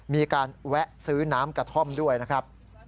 มีการแวะซื้อน้ำกระท่อมด้วยนะครับ